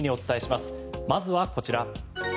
まずはこちら。